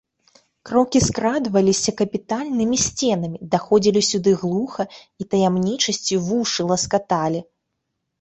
Крокі скрадваліся капітальнымі сценамі, даходзілі сюды глуха і таямнічасцю вушы ласкаталі.